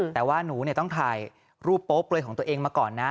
แต่ว่าหนูต้องถ่ายรูปโป๊เปลยของตัวเองมาก่อนนะ